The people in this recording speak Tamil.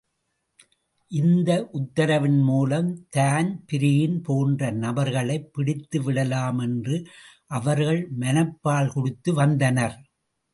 இந்த உத்தரவின் மூலம் தான்பிரீன் போன்ற நபர்களைப் பிடித்துவிடலாமென்று அவர்கள் மனப்பால் குடித்து வந்தனர்.